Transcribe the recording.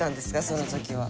その時は。